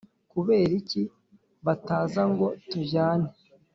Kubera iki bataza ngo tujyane